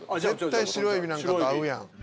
「絶対白エビなんかと合うやん」